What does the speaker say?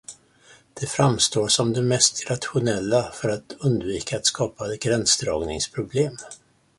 Det framstår som det mest rationella, för att undvika att skapa gränsdragningsproblem.